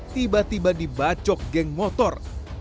tiba tiba dibacok geng motor